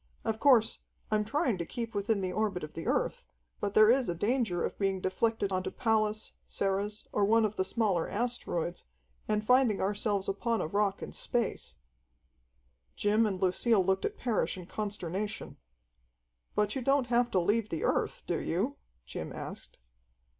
Of course, I'm trying to keep within the orbit of the Earth, but there is a danger of being deflected onto Pallas, Ceres, or one of the smaller asteroids, and finding ourselves upon a rock in space." Jim and Lucille looked at Parrish in consternation. "But you don't have to leave the Earth, do you?" Jim asked.